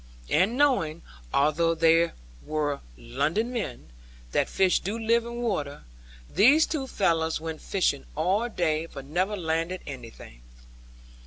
And knowing, although they were London men, that fish do live in water, these two fellows went fishing all day, but never landed anything.